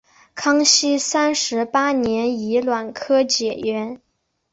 康熙三十八年己卯科解元。